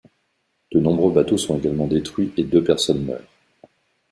De nombreux bateaux sont également détruits et deux personnes meurent.